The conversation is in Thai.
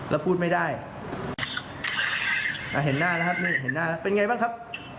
แล้วพูดไม่ได้อ่าเห็นหน้านะครับนี่เห็นหน้าแล้วเป็นไงบ้างครับ